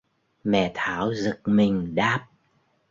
Mẹ Thảo giật mình đáp